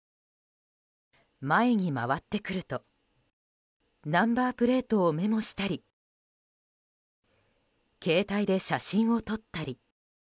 前に回ってくるとナンバープレートをメモしたり携帯で写真を撮ったり。